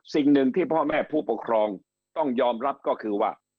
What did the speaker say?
สิ่งหนึ่งที่พ่อแม่ผู้ปกครองต้องยอมรับก็คือว่า